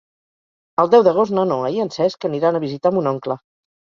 El deu d'agost na Noa i en Cesc aniran a visitar mon oncle.